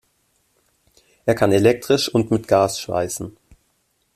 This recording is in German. Er kann elektrisch und mit Gas schweißen.